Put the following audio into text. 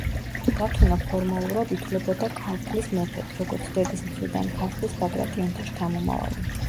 დათუნა ფორმალურად ითვლებოდა ქართლის მეფედ, როგორც დედის მხრიდან ქართლის ბაგრატიონთა შთამომავალი.